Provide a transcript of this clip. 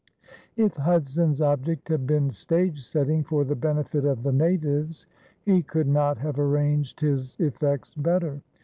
If Hudson's object had been stage setting for the benefit of the natives, he could not have arranged his effects better.